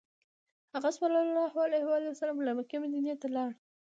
هغه ﷺ له مکې مدینې ته لاړ.